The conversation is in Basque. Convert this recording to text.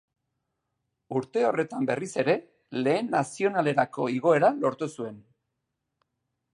Urte horretan berriz ere Lehen Nazionalerako igoera lortu zuen.